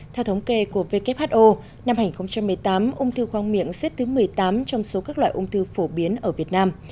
theo thống kê của who năm hai nghìn một mươi tám ung thư khoang miệng xếp thứ một mươi tám trong số các loại ung thư phổ biến ở việt nam